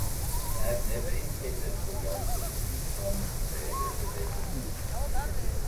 They had never intended for Johnson to become their representative.